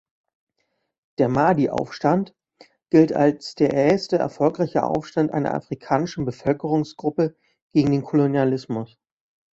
Der Mahdi-Aufstand gilt als der erste erfolgreiche Aufstand einer afrikanischen Bevölkerungsgruppe gegen den Kolonialismus.